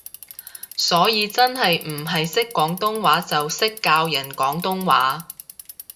所以真係唔係識廣東話就識教人廣東話